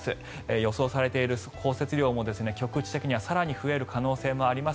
予想されている降雪量も局地的には更に増える可能性もあります。